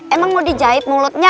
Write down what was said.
emang mau dijahit mulutnya